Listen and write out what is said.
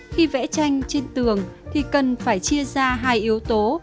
khi vẽ tranh trên tường thì cần phải chia ra hai yếu tố